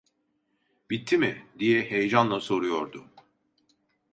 "Bitti mi?" diye heyecanla soruyordu.